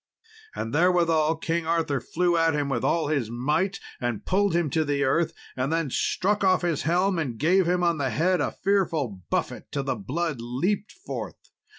And therewithal King Arthur flew at him with all his might, and pulled him to the earth, and then struck off his helm, and gave him on the head a fearful buffet, till the blood leaped forth.